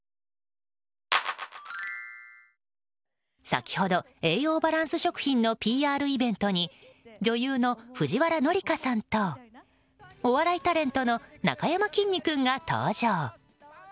先ほど栄養バランス食品のＰＲイベントに女優の藤原紀香さんとお笑いタレントのなかやまきんに君が登場。